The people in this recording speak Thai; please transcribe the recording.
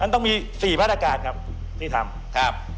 ต้องมี๔พระรากาศที่ทำ